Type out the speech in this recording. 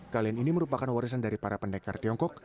kalian ini merupakan warisan dari para pendekar tiongkok